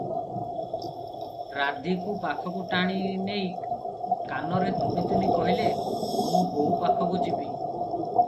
ରାଧୀକୁ ପାଖକୁ ଟାଣି ନେଇ କାନରେ ତୁନି ତୁନି କହିଲେ, "ମୁଁ ବୋଉ ପାଖକୁ ଯିବି ।"